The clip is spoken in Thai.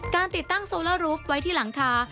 ติดตั้งโซล่ารูฟไว้ที่หลังคา